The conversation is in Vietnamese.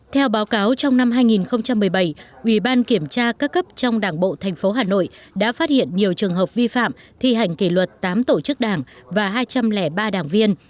theo báo cáo trong năm hai nghìn một mươi bảy ủy ban kiểm tra các cấp trong đảng bộ tp hà nội đã phát hiện nhiều trường hợp vi phạm thi hành kỷ luật tám tổ chức đảng và hai trăm linh ba đảng viên